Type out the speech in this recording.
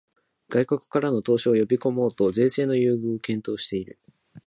外国からの投資を呼びこもうと税制の優遇を検討している